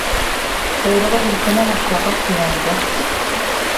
Ҡойроғо һелкенә башлағас уянды.